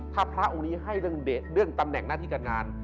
ถ้าพระองค์นี้ให้เรื่องเดทเรื่องตำแหน่งหน้าที่การงาน